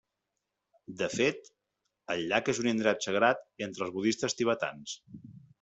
De fet, el llac és un indret sagrat entre els budistes tibetans.